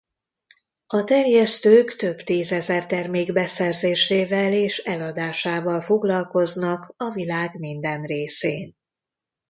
A terjesztők több tízezer termék beszerzésével és eladásával foglalkoznak a világ minden részén.